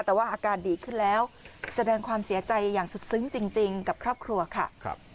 แต่ว่าอาการดีขึ้นแล้วแสดงความเสียใจอย่างสุดซึ้งจริงกับครอบครัวค่ะ